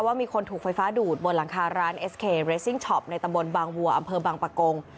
ว่ามีคนถูกไฟฟ้าดูดบนหลังคาร้านเอสเคเรซิ่งช็อปในตำบลบางวัวอำเภอบางปะกง